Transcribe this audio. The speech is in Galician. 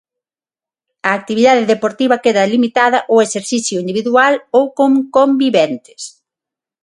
A actividade deportiva queda limitada ao exercicio individual ou con conviventes.